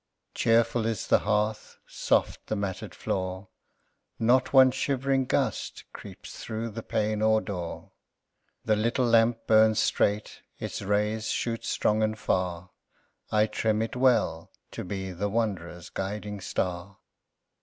Cheerful is the hearth, soft the matted floor; Not one shivering gust creeps through pane or door; The little lamp burns straight, its rays shoot strong and far: I trim it well, to be the wanderer's guiding star.